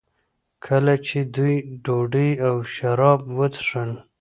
کله چې دوی ډوډۍ او شراب وڅښل.